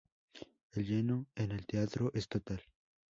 El lleno en el teatro es total.